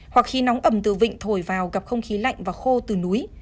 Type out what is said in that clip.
hoặc khi nóng ẩm từ vịnh thổi vào gặp không khí lạnh và khô từ núi